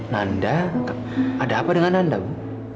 nanda ada apa dengan anda bu